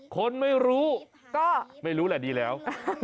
คนไม่รู้ก็ไม่รู้แหละดีแล้ว